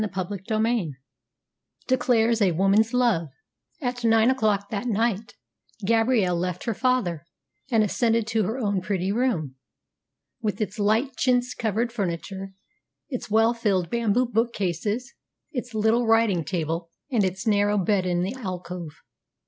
CHAPTER X DECLARES A WOMAN'S LOVE At nine o'clock that night Gabrielle left her father, and ascended to her own pretty room, with its light chintz covered furniture, its well filled bamboo bookcases, its little writing table, and its narrow bed in the alcove.